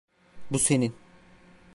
Bu senin.